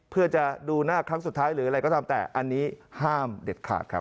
เพื่อจะดูหน้าครั้งสุดท้ายหรืออะไรก็ตามแต่อันนี้ห้ามเด็ดขาดครับ